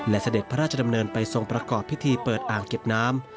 และเสด็จพระราชดำเนินไปทรงประกอบพิธีเปิดอ่างเก็บน้ำ